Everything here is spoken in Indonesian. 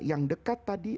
yang dekat tadi